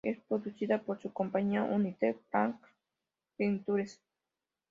Es producida por su compañía, United Plankton Pictures.